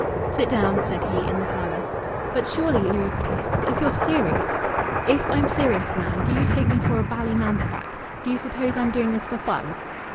"Sit down," said he, in the parlour. "But surely," Louis protested, "if you're serious " "If I'm serious, man! Do you take me for a bally mountebank? Do you suppose I'm doing this for fun?"